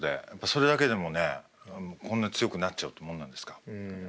それだけでもねこんな強くなっちゃうってもんなんですか？